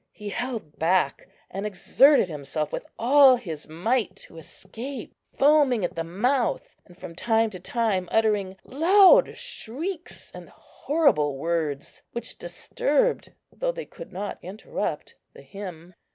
He held back, and exerted himself with all his might to escape, foaming at the mouth, and from time to time uttering loud shrieks and horrible words, which disturbed, though they could not interrupt, the hymn.